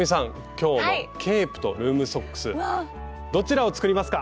今日のケープとルームソックスどちらを作りますか？